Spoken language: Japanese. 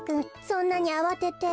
そんなにあわてて。